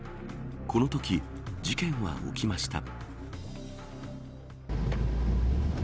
このとき事件は起きました。